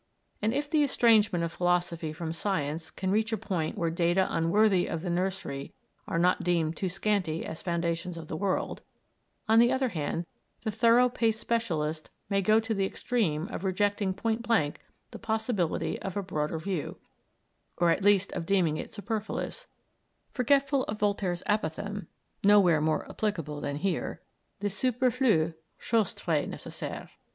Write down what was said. And if the estrangement of philosophy from science can reach a point where data unworthy of the nursery are not deemed too scanty as foundations of the world, on the other hand the thorough paced specialist may go to the extreme of rejecting point blank the possibility of a broader view, or at least of deeming it superfluous, forgetful of Voltaire's apophthegm, nowhere more applicable than here, Le superflu chose très nécessaire.